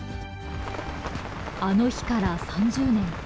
あの日から３０年。